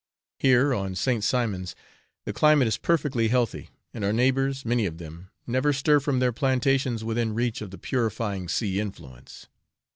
Here, on St. Simon's, the climate is perfectly healthy, and our neighbours, many of them, never stir from their plantations within reach of the purifying sea influence.